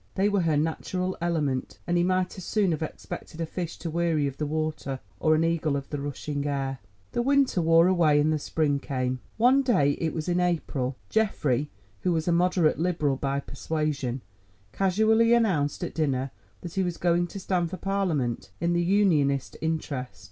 They were her natural element, and he might as soon have expected a fish to weary of the water, or an eagle of the rushing air. The winter wore away and the spring came. One day, it was in April, Geoffrey, who was a moderate Liberal by persuasion, casually announced at dinner that he was going to stand for Parliament in the Unionist interest.